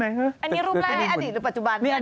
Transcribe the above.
อันนี้รูปแรกอดีตหรือปัจจุบันอดีตอดีต